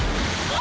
あ！